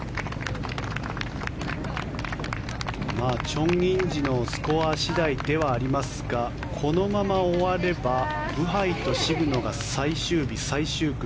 チョン・インジのスコア次第ではありますがこのまま終わればブハイと渋野が最終日、最終組。